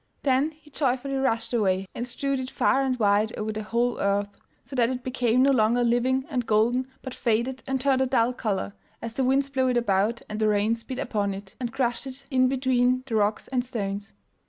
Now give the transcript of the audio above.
Then he joyfully rushed away and strewed it far and wide over the whole earth, so that it became no longer living and golden but faded and turned a dull color as the winds blew it about and the rains beat upon it, and crushed it in between the rocks and stones.